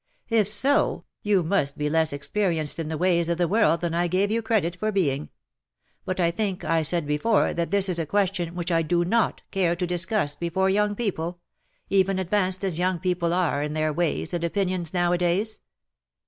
" If so^ you must be less experienced in the ways of the world than I gave you credit for being. But I think I said before that this is a question which I do 7iot care to discuss before young people — even advanced as young people are in their ways and opinions now a days.''